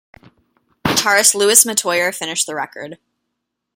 Guitarist Louis Metoyer finished the record.